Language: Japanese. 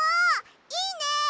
いいね！